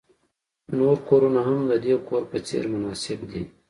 نور کورونه هم د دې کور په څیر مناسب دي